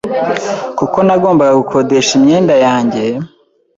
kuko nagombaga gukodesha imyenda yanjye